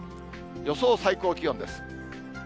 予想最高気温です。